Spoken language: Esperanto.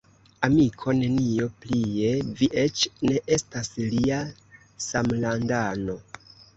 Amiko, nenio plie: vi eĉ ne estas lia samlandano.